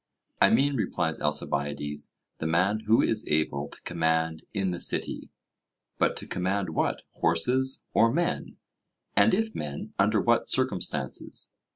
'I mean,' replies Alcibiades, 'the man who is able to command in the city.' But to command what horses or men? and if men, under what circumstances?